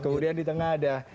kemudian di tengah ada